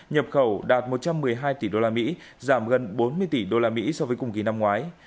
nhập khẩu đạt một trăm một mươi hai tỷ đô la mỹ giảm gần bốn mươi tỷ đô la mỹ so với cùng kỳ năm ngoái